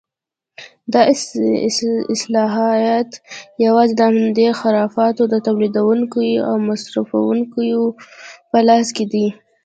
دا صلاحیت یوازې د همدې خرافاتو د تولیدوونکیو او مصرفوونکیو په لاس کې دی.